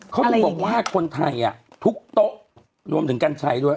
เขาบอกว่าคนไทยอะทุกโต๊ะรวมถึงการใช้ด้วย